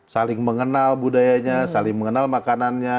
saling mengenal budayanya saling mengenal makanannya